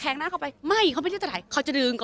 บางทีเค้าแค่อยากดึงเค้าต้องการอะไรจับเราไหล่ลูกหรือยังไง